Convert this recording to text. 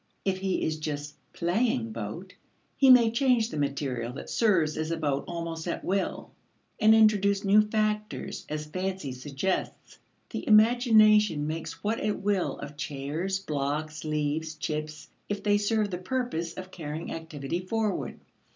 If he is just "playing boat" he may change the material that serves as a boat almost at will, and introduce new factors as fancy suggests. The imagination makes what it will of chairs, blocks, leaves, chips, if they serve the purpose of carrying activity forward.